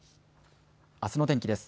あすの天気です。